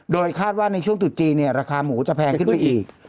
โดยคาดว่าในช่วงตุดจีนราคาหมูจะแพงขึ้นไปอีก